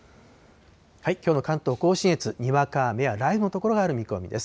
きょうの関東甲信越、にわか雨や雷雨の所がある見込みです。